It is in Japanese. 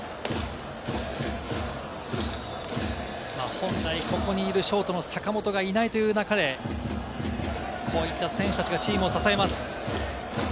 本来ここにいるショートの坂本がいないという中で、こういった選手たちがチームを支えます。